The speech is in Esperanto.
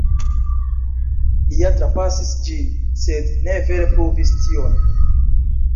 Li ja trapasis ĝin, sed ne vere pruvis tion.